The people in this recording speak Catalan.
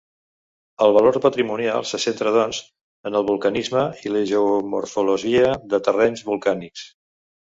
El valor patrimonial se centra doncs, en el vulcanisme i la geomorfologia de terrenys volcànics.